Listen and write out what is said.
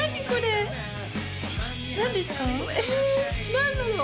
何だろう？